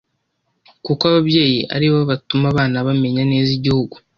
kuko ababyeyi aribo batuma abana bamenya neza igihugu